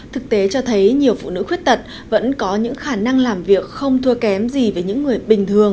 thực tế cho thấy nhiều phụ nữ khuyết tật vẫn có những khả năng làm việc không thua kém gì với những người bình thường